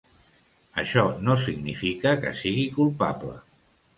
Això no significa que sigui culpable.